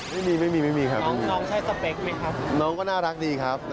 ไม่มีไม่มีไม่มีพิเศษครับผมโสดครับผม